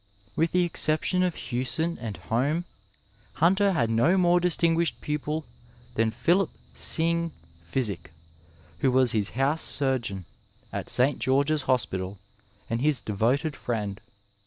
With the exception of Hewson and Home, Hunter had no more distinguished pupil than Philip Syng Physick, who was his house surgeon at St. Qeorge's Hospital, and his devoted friend.